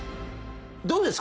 どうです？